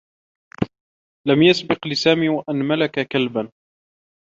لم يسبق لسامي و أن ملك كلبا.